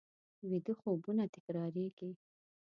ویده خوبونه تکرارېږي